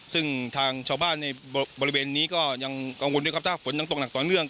ซึ่งทางชาวบ้านในบริเวณนี้ก็ยังกังวลด้วยครับถ้าฝนยังตกหนักต่อเนื่อง